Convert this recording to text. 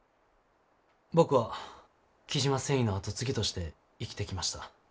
僕は雉真繊維の後継ぎとして生きてきました。